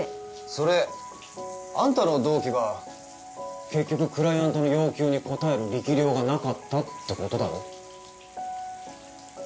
それあんたの同期が結局クライアントの要求に応える力量がなかったって事だろ。